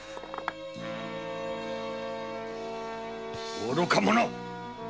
愚か者！